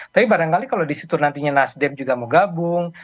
tapi barangkali kalau di situ nantinya nasdem juga mau gabung